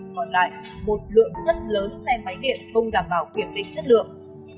còn lại một lượng rất lớn xe máy điện không đảm bảo kiểm định chất lượng